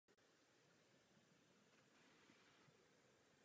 Také je to její prvořadý zájem.